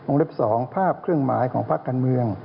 องค์เล็ก๒ภาพเครื่องหมายของพระกันเมือง